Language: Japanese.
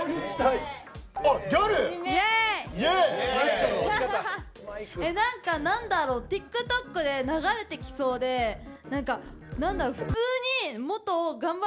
あっギャル⁉えなんかなんだろうＴｉｋＴｏｋで流れてきそうでなんかなんだろう